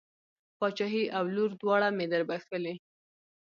پاچهي او لور دواړه مې در بښلې.